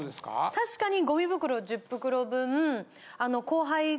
確かにゴミ袋１０袋分。